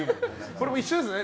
これも一緒ですね。